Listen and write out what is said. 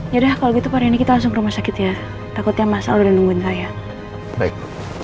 ya dah kalau gitu hari ini kita langsung ke rumah sakit ya takutnya masa udah nungguin saya